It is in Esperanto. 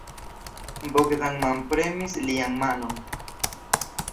Bogdan manpremis lian manon.